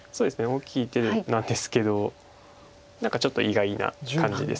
大きい手なんですけど何かちょっと意外な感じです。